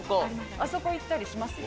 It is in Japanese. あそこ行ったりしますよ。